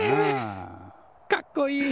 かっこいい。